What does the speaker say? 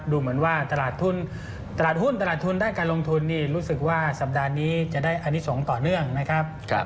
ดูเหมือนว่าตลาดทุนตลาดหุ้นตลาดทุนด้านการลงทุนนี่รู้สึกว่าสัปดาห์นี้จะได้อนิสงฆ์ต่อเนื่องนะครับ